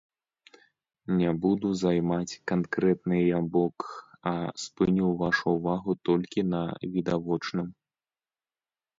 Не буду займаць канкрэтныя бок, а спыню вашу ўвагу толькі на відавочным.